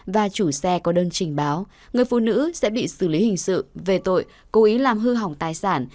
và chủ xe có đơn trình báo người phụ nữ sẽ bị xử lý hình sự về tội cố ý làm hư hỏng tài sản